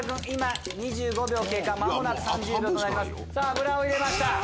油を入れました。